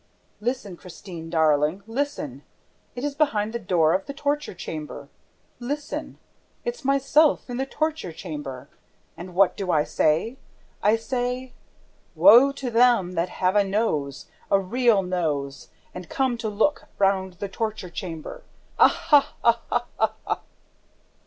Listen, Christine, darling! Listen! It is behind the door of the torture chamber! Listen! It's myself in the torture chamber! And what do I say? I say, 'Woe to them that have a nose, a real nose, and come to look round the torture chamber! Aha, aha, aha!'"